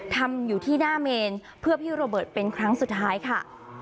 ทำอยู่ที่หน้าเมนเพื่อพี่โรเบิร์ตเป็นครั้งสุดท้ายค่ะ